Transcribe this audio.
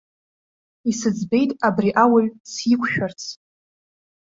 Исыӡбеит абри ауаҩ сиқәшәарц.